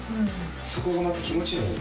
そこがまた気持ちいいよね